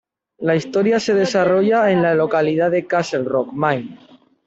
La historia se desarrolla en la localidad de Castle Rock, Maine.